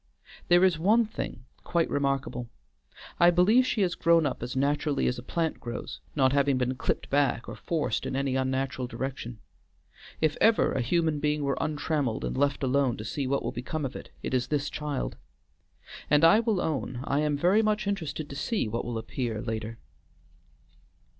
There is one thing quite remarkable. I believe she has grown up as naturally as a plant grows, not having been clipped back or forced in any unnatural direction. If ever a human being were untrammeled and left alone to see what will come of it, it is this child. And I will own I am very much interested to see what will appear later."